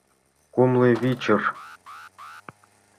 Кумлывичыр...